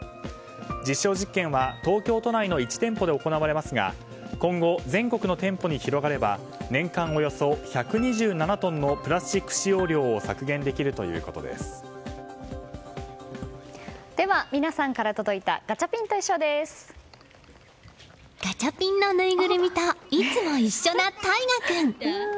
実証実験は東京都内の１店舗で行われますが今後、全国の店舗に広がれば年間およそ１２７トンのプラスチック使用量をでは、皆さんから届いたガチャピンのぬいぐるみといつも一緒な大芽君。